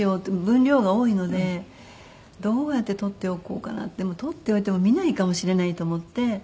分量が多いのでどうやって取っておこうかなでも取っておいても見ないかもしれないと思って。